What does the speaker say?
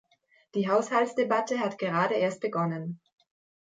Die Haushaltsdebatte hat gerade erst begonnen.